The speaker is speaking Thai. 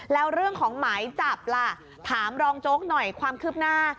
แล้วเรื่องของหมายจับล่ะถามรองโจ๊กหน่อยความคืบหน้า